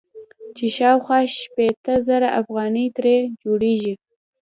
چې شاوخوا شپېته زره افغانۍ ترې جوړيږي.